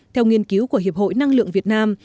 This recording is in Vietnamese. theo nghiên cứu của hiệp hội năng lượng việt nam